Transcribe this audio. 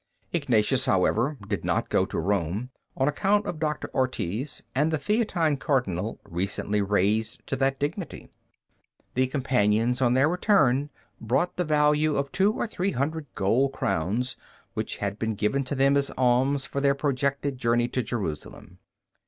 Ignatius, however, did not go to Rome on account of Doctor Ortiz and the Theatine Cardinal recently raised to that dignity. The companions on their return brought the value of two or three hundred gold crowns which had been given to them as alms for their projected journey to Jerusalem.